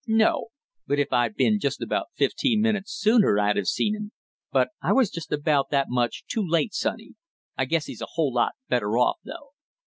"No; if I'd been just about fifteen minutes sooner I'd have seen him; but I was just about that much too late, sonny. I guess he's a whole lot better off, though."